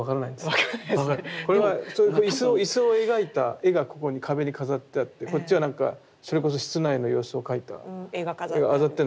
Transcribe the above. これは椅子を描いた絵がここに壁に飾ってあってこっちはなんかそれこそ室内の様子を描いた絵が飾ってあるのか。